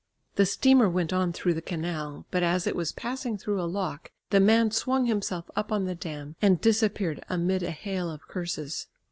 The steamer went on through the canal, but as it was passing through a lock, the man swung himself up on the dam and disappeared amid a hail of curses.